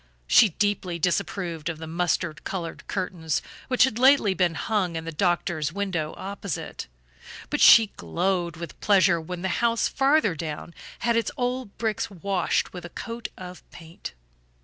She deeply disapproved of the mustard colored curtains which had lately been hung in the doctor's window opposite; but she glowed with pleasure when the house farther down had its old bricks washed with a coat of paint.